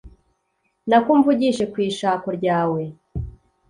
Nako umvugishe kw’ishako ryawe